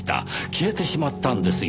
消えてしまったんですよ。